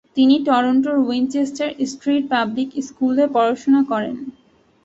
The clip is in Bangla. তিনি টরন্টোর উইনচেস্টার স্ট্রিট পাবলিক স্কুলে পড়াশোনা করেন।